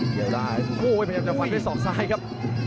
เกี่ยวได้โอ้โหประยักษ์เล็กจะฝันด้วยสองซ้ายครับ